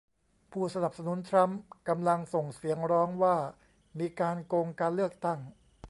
ผู้สนับสนุนทรัมป์กำลังส่งเสียงร้องว่ามีการโกงการเลือกตั้ง